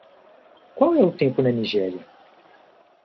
Qual é o tempo na Nigéria?